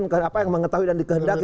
siapa yang mengetahui dan dikehendaki